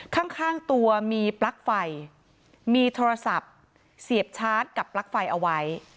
ข้างข้างตัวมีปลั๊กไฟมีโทรศัพท์เสียบชาร์จกับปลั๊กไฟเอาไว้